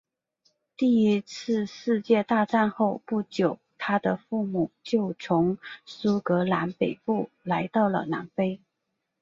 第一次世界大战后不久他的父母就从苏格兰北部来到了南非。